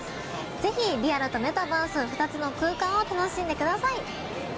ぜひリアルとメタバース２つの空間を楽しんでください。